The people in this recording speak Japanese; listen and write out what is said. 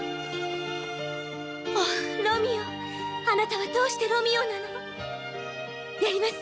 あなたはどうしてロミオなの？